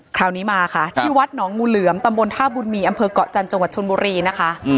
คราวนี้มาค่ะที่วัดหนองงูเหลือมตำบลท่าบุญมีอำเภอกเกาะจันทร์จังหวัดชนบุรีนะคะ